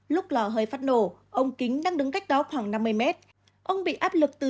lúc lò hơi phát nổ ông kính đang đứng cách đó khoảng năm mươi m